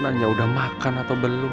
nanya udah makan atau belum